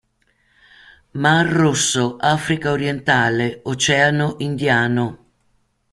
Mar Rosso, Africa orientale, Oceano Indiano.